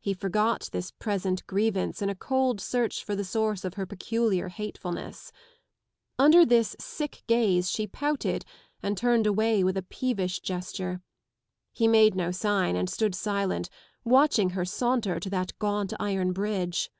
He forgot this present grievance in a cold search for the source of her peculiar hatefulness. Under this sick gaze she pouted and turned away with a peevish gesture. He made no sign and stood silent, watching her saunter to that gaunt iron bridge.